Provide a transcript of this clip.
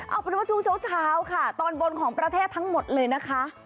เอาเป็นว่าช่วงเช้าค่ะตอนบนของประเทศทั้งหมดเลยนะคะ